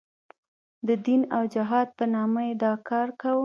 د دین او جهاد په نامه یې دا کار کاوه.